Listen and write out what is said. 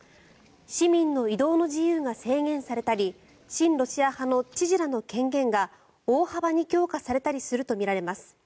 市民の移動の自由が制限されたり親ロシア派の知事らの権限が大幅に強化されたりするとみられます。